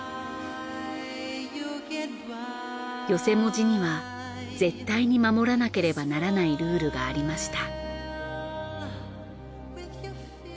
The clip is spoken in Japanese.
寄席文字には絶対に守らなければならないルールがありました。